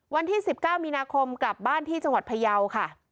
วันที่๑๙มีนาคมกลับบ้านที่จังหวัดพยาวค่ะ